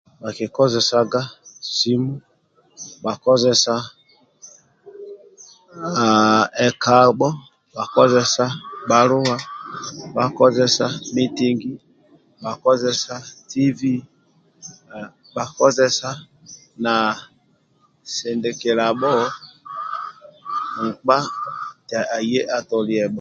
Akikozesaga simu bha kozesa ekabho bha kozesa bhalua bha kozesa mitigi bha kozesa tivi bha kozesa na sidikilabho nkpa aye abhotolie